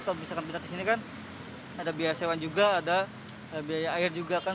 kalau misalkan kita kesini kan ada biaya sewa juga ada biaya air juga kan